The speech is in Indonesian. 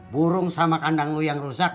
burung sama kandang lu yang rusak